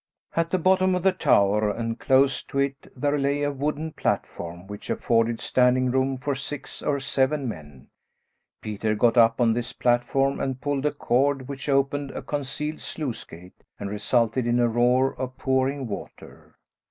At the bottom of the tower, and close to it, there lay a wooden platform which afforded standing room for six or seven men. Peter got up on this platform and pulled a cord, which opened a concealed sluice gate and resulted in a roar of pouring water.